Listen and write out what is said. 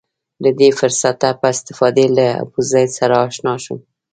له دې فرصته په استفادې له ابوزید سره اشنا شم.